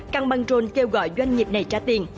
căng băng rôn kêu gọi doanh nghiệp này trả tiền